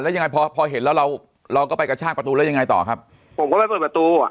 แล้วยังไงพอพอเห็นแล้วเราเราก็ไปกระชากประตูแล้วยังไงต่อครับผมก็ไปเปิดประตูอ่ะ